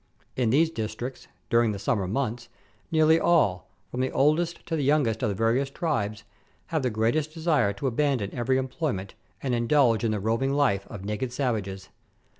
In these districts, during the summer months, nearly all, from the oldest to the youngest in the various tribes, have the greatest desire to abandon every employment, and indulge in the roving life of naked savages.